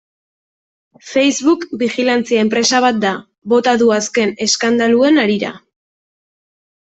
Facebook bijilantzia enpresa bat da, bota du azken eskandaluen harira.